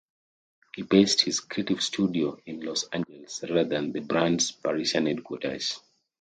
He based his creative studio in Los Angeles, rather than the brand's Parisian headquarters.